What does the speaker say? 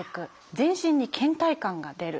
全身に倦怠感が出る。